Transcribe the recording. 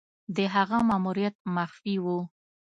د هغه ماموریت مخفي وو.